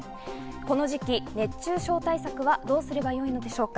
この時期、熱中症対策はどうすればいいのでしょうか。